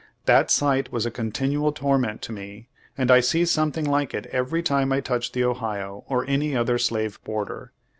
That sight was a continual torment to me, and I see something like it every time I touch the Ohio or any other slave border.